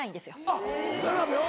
あっ田辺は？